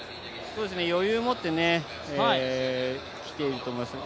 余裕を持ってきていると思いますね。